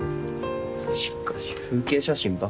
しかし風景写真ばっか。